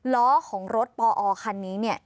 ล้อของรถปอคันนี้เนี่ย